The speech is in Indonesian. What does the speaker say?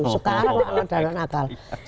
sekarang ada nakal